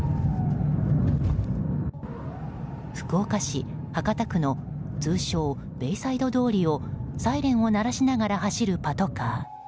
福岡市博多区の通称ベイサイド通りをサイレンを鳴らしながら走るパトカー。